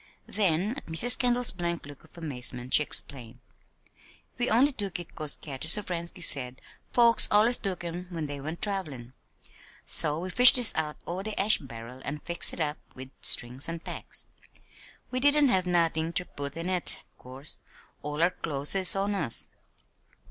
Then, at Mrs. Kendall's blank look of amazement, she explained: "We only took it 'cause Katy Sovrensky said folks allers took 'em when they went trav'lin'. So we fished dis out o' de ash barrel an' fixed it up wid strings an' tacks. We didn't have nothin' ter put in it, 'course. All our clo's is on us."